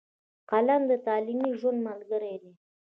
قلم د تعلیمي ژوند ملګری دی.